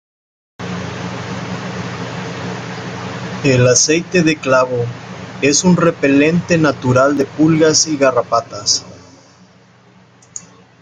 El aceite de clavo es un repelente natural de pulgas y garrapatas.